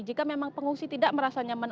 jika memang pengungsi tidak merasa nyaman